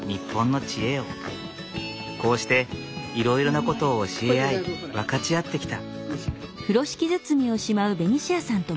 こうしていろいろなことを教え合い分かち合ってきた。